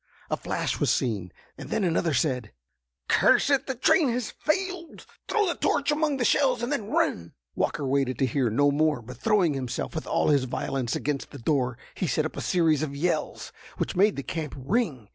A flash was seen, and then another said: "Curse it, the train has failed. Throw the torch among the shells, and then run!" Walker waited to hear no more, but throwing himself with all his violence against the door, he set up a series of yells, which made the camp ring.